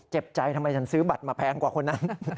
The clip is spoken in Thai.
เจ็บใจทำไมฉันซื้อบัตรมาแพงกว่าคนนั้น